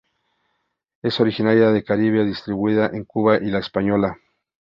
Es originaria del Caribe distribuida en Cuba y La Española.